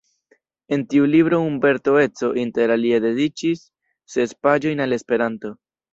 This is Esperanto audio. En tiu libro Umberto Eco inter alie dediĉis ses paĝojn al Esperanto.